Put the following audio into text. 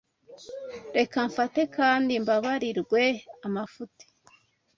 reka mfate Kandi mbabarirwe amafuti